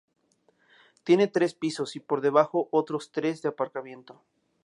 Tiene tres pisos y por debajo otros tres de aparcamiento.